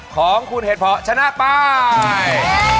ของคุณเห็นพอชนะไป